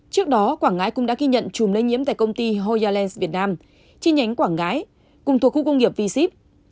trước đó quảng ngãi cũng đã ghi nhận chùm lây nhiễm tại công ty hoya lens việt nam chi nhánh quảng ngãi cùng thuộc khu công nghiệp v sip